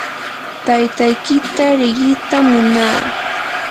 taytaykita riqitam munaa.